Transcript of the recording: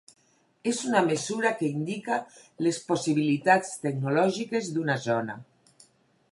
És una mesura que indica les possibilitats tecnològiques d'una zona.